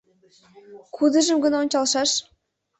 Кудыжым гын ончалшаш?